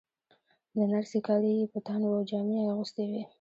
د نرسې کالي یې په تن وو، جامې یې اغوستې وې.